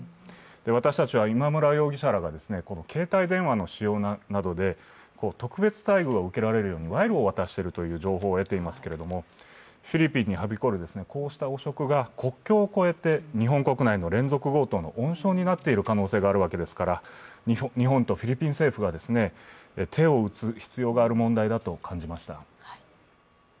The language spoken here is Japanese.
私たちは今村容疑者らが携帯電話の使用などで特別待遇を受けられるように賄賂を渡していたという情報を得ていますけれどもフィリピンにはびこる、こうした汚職が国境を越えて日本国内の連続強盗の温床になっている可能性があるわけですから日本とフィリピン政府が手を打つ必要がある問題だと感じました。